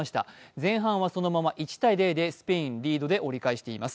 前半はそのまま１−０でスペインリードで折り返しています。